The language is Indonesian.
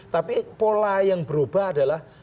tapi pola yang berubah adalah